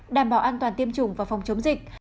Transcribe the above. đảm bảo an toàn tiêm chủng và phòng chống dịch